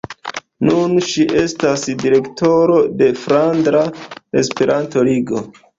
Nun ŝi estas direktoro de Flandra Esperanto-Ligo.